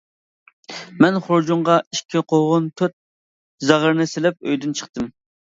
مەن خۇرجۇنغا ئىككى قوغۇن، تۆت زاغرىنى سېلىپ ئۆيدىن چىقتىم.